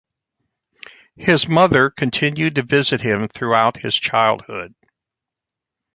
His mother continued to visit him throughout his childhood.